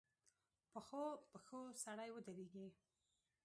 پخو پښو سړی ودرېږي